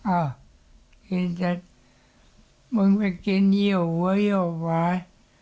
เอ้ามึงไปกินเยี่ยวหัวเยี่ยวบ้าง